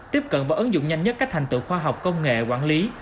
tiếp cận và ứng dụng nhanh nhất các thành tựu khoa học công nghệ quản lý